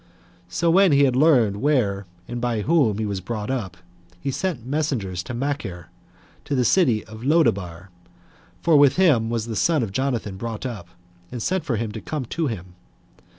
So when he had learned where and by whom he was brought up, he sent messengers to Machir, to the city of Lodebar, for with him was the son of Jonathan brought up, and sent for him to come to him.